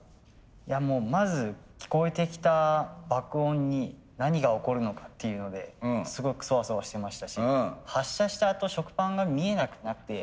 いやもうまず聞こえてきた爆音に何が起こるのかっていうのですごくソワソワしてましたし発射したあと食パンが見えなくなって。